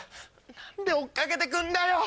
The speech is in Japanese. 何で追っかけてくんだよ